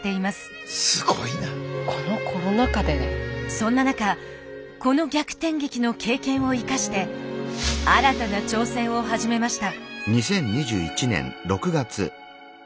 そんな中この逆転劇の経験を生かして新たな挑戦を始めました。